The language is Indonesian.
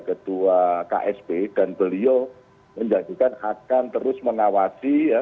ketua ksp dan beliau menjanjikan akan terus mengawasi ya